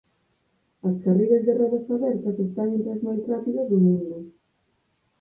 As carreiras de rodas abertas están entre as máis rápidas do mundo.